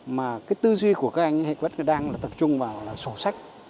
mà cái tư duy của các anh đang tập trung vào là sổ sách